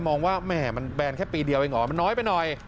มองว่าแหมมันแบนแค่ปีเดียวเองเหรอมันน้อยไปหน่อย